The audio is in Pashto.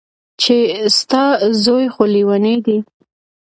چې ستا زوى خو ليونۍ دى.